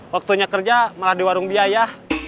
waktunya kerja malah di warung biaya